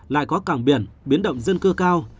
lại có cảng biển biến động dân cư cao